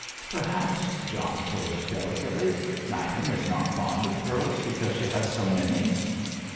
"Perhaps," John probed delicately, "madame is not fond of pearls because she has so many?"